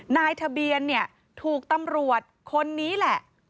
นายทะเบียนเนี่ยถูกตำรวจคนนี้แหละ